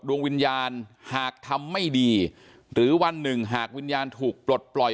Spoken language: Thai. ดวงวิญญาณหากทำไม่ดีหรือวันหนึ่งหากวิญญาณถูกปลดปล่อย